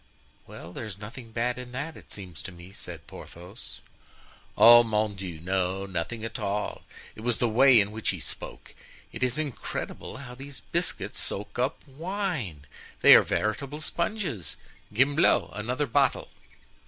'" "Well, there's nothing bad in that, it seems to me," said Porthos. "Oh, mon Dieu! no, nothing at all. It was the way in which he spoke. It is incredible how these biscuit soak up wine! They are veritable sponges! Gimblou, another bottle."